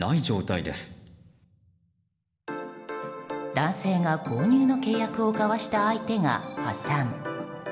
男性が購入の契約を交わした相手が破産。